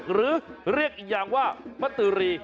หรือเรียกอีกอย่างว่ามะตือรี